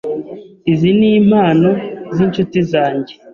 Izi nimpano zinshuti zanjye.